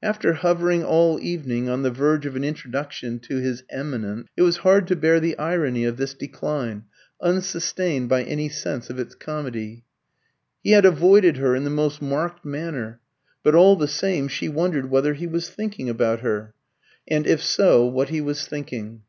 After hovering all evening on the verge of an introduction to his Eminence, it was hard to bear the irony of this decline, unsustained by any sense of its comedy. He had avoided her in the most marked manner; but all the same, she wondered whether he was thinking about her, and if so, what he was thinking.